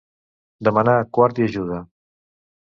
Demanar quart i ajuda.